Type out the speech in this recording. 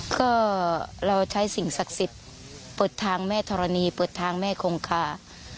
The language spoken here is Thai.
ก็เราใช้สิ่งศักดิ์สิทธิ์เปิดทางแม่ธรณีเปิดทางแม่คงคา